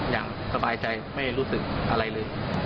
อย่างสบายใจไม่รู้สึกอะไรเลย